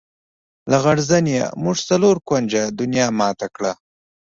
لغړزنیه! موږ څلور کونجه دنیا ماته کړه.